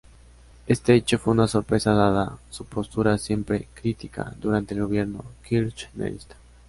Este hecho fue una sorpresa dada su postura siempre crítica durante el gobierno kirchnerista.